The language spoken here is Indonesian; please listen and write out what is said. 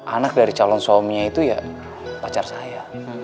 anak dari calon suaminya itu ya pacar saya